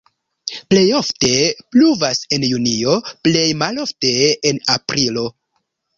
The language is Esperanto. Plej ofte pluvas en junio, plej malofte en aprilo.